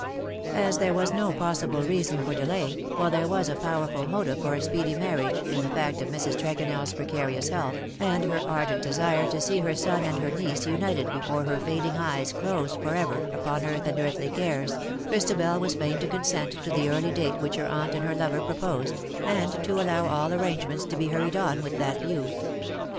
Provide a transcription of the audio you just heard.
"^ As there was no possible reason for delay, while there was a powerful motive for a speedy marriage, in the fact of Mrs. TregonelFs precarious health, and her ardent desire to see her son and her niece united before her fading eyes closed for ever upon earth and earthly cares, Christabel was fain to consent to the early date which her aunt and her lover proposed, and to allow all arrangements to be hurried on with that view.